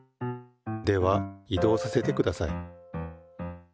では移動させてください。